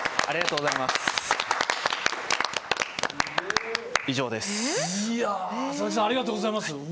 ありがとうございます。